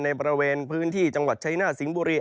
ในบริเวณพื้นที่จังหวัดชายนาฏสิงห์บุรี